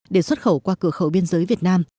để xuất khẩu qua cửa khẩu biên giới việt nam